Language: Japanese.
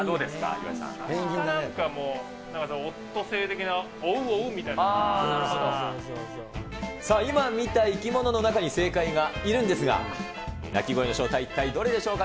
岩井さなんかもうオットセイ的な、さあ、今見た生き物の中に正解がいるんですが、鳴き声の正体、いったいどれでしょうか。